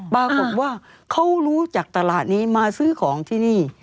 ปรากฏว่าเขารู้จากตลาดนี้มาซื้อของที่นี่